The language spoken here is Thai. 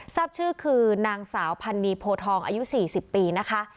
ทราบชื่อคือนางสาวพันนีโพทองอายุ๔๐ปีนะคะ